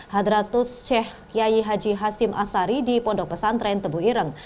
hadratus sheikh kiai haji hasim asari di pondok pesantren tebuireng